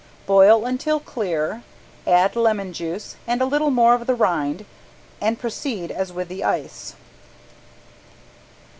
Boil until clear, add lemon juice and a little more of the rind and proceed as with the ice.